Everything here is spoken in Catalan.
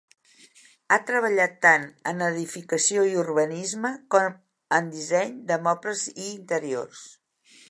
Ha treballat tant en edificació i urbanisme, com en disseny de mobles i interiors.